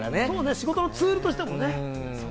仕事のツールとしてもね。